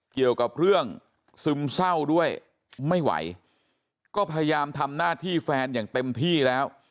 เกี่ยวกับเรื่องซึมเศร้าด้วยไม่ไหวก็พยายามทำหน้าที่แฟนอย่างเต็มที่แล้ว